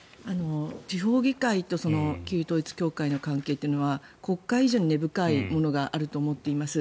地方議会と旧統一教会の関係というのは国会以上に根深いものがあると思っています。